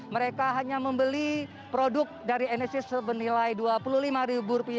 mereka hanya membeli produk dari enesis bernilai rp dua puluh lima